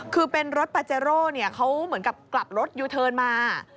คือเป็นรถปาเจโร่เขาเหมือนกับกลับรถยูเทิร์นมา